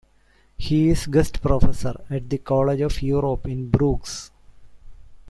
He is guest professor at the College of Europe in Bruges.